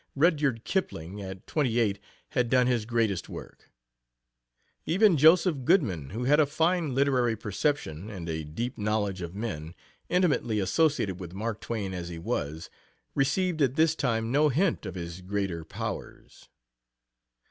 Rudyard Kipling at twenty eight had done his greatest work. Even Joseph Goodman, who had a fine literary perception and a deep knowledge of men, intimately associated with Mark Twain as he was, received at this time no hint of his greater powers.